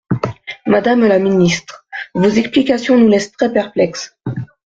Madame la ministre, vos explications nous laissent très perplexes.